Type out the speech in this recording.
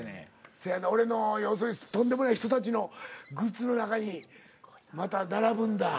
せやな俺の要するにとんでもない人たちのグッズの中にまた並ぶんだ。